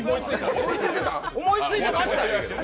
思いついてました。